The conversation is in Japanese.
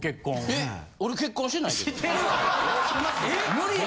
無理やわ。